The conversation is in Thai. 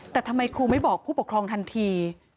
แต่ทำไมครูไม่บอกผู้ปกครองทันที